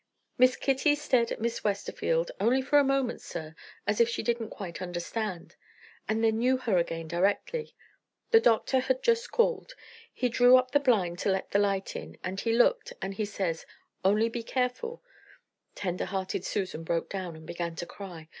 "Miss Kitty stared at Miss Westerfield only for a moment, sir as if she didn't quite understand, and then knew her again directly. The doctor had just called. He drew up the blind to let the light in, and he looked, and he says: 'Only be careful' " Tender hearted Susan broke down, and began to cry.